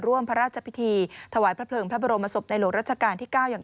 ร่วมพระราชพิธีถวายพระเพลิงพระบรมศพในหลวงรัชกาลที่๙อย่าง